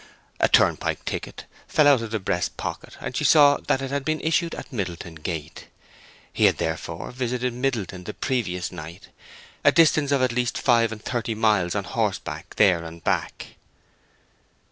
A turnpike ticket fell out of the breast pocket, and she saw that it had been issued at Middleton Gate. He had therefore visited Middleton the previous night, a distance of at least five and thirty miles on horseback, there and back.